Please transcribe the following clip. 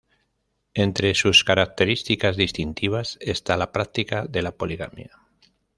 Entre sus características distintivas está la práctica de la poligamia.